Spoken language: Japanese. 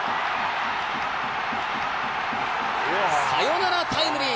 サヨナラタイムリー。